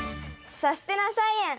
「さすてな菜園」。